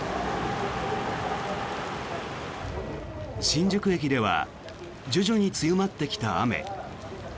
新宿駅では徐々に強まってきた雨。